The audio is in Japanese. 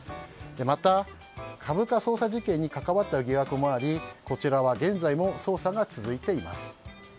また、株価操作事件に関わった疑惑もありこちらは現在も捜査が続いています。